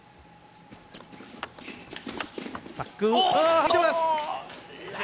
入ってます。